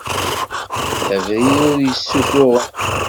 D abrid ur yessuffuɣen.